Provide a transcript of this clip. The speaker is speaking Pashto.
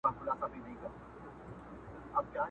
دا روغن په ټول دوکان کي قیمتې وه!